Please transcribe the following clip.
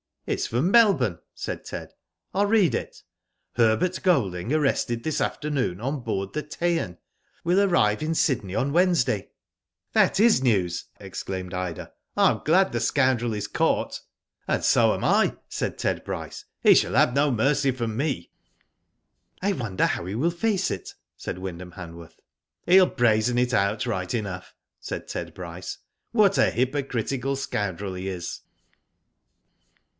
" It is from Melbourne," said Ted. " 1*11 read it. 'Herbert Golding arrested this afternoon on board the Teian. Will arrive in Sydney on Wednes day." " That is news !" exclaimed Ida. ^' Tm glad the scoundrel is caught." " And so am I," said Ted Bryce. " He shall have no mercy from me." "I wonder how he will face it?" said Wynd ham Han worth. " He'll brazen it out right enough," said Ted Bryce. "What a hypocritical scoundrel he is."